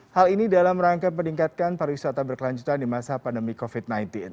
hal ini dalam rangka meningkatkan pariwisata berkelanjutan di masa pandemi covid sembilan belas